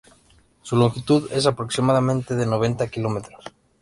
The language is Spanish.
Su longitud es aproximadamente de noventa kilómetros.